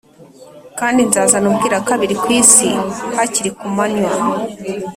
kandi nzazana ubwirakabiri ku isi hakiri ku manywa.